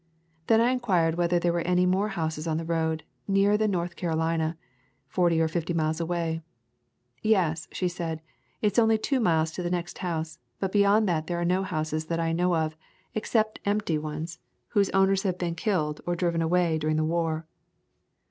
Then I inquired whether there were any more houses on the road, nearer than North Carolina, forty or fifty miles away. "Yes," she said, "it's only two miles to the next house, but beyond that there are no houses that I know of except empty ones whose own [ 21 ] A Thousand Mile Walk ers have been killed or driven:away during the war."